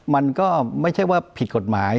มันก็ไม่ใช่ว่าผิดกฎหมาย